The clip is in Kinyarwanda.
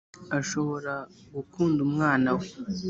ashobora gukunda umwana we.